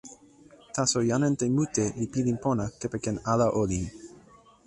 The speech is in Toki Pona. taso jan ante mute li pilin pona kepeken ala olin.